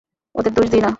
ওদের দোষ দিই না।